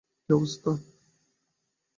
কি অবস্থা?